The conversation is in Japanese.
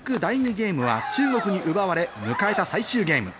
ゲームは中国に奪われ、迎えた最終ゲーム。